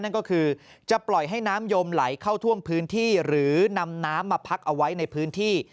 นั่นก็คือจะปล่อยให้น้ำยมไหลเข้าท่วมพื้นที่หรือนำน้ำมาพักเอาไว้ในพื้นที่